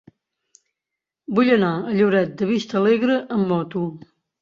Vull anar a Lloret de Vistalegre amb moto.